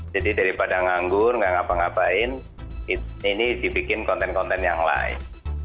jadi daripada nganggur nggak ngapa ngapain ini dibikin konten konten yang lain